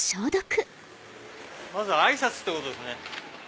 まずはあいさつってことですね。